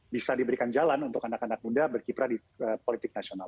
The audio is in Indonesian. bisa diberikan jalan untuk anak anak muda berkiprah di politik nasional